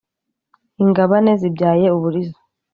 ingabane zibyaye uburiza